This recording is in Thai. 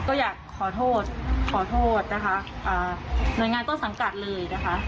ก็อยากขอโทษขอโทษนะคะหน่วยงานต้นสังกัดเลยนะคะ